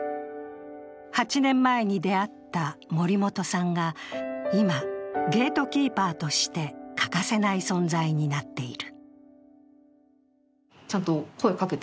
８年前に出会った森本さんが今、ゲートキーパーとして欠かせない存在になっている。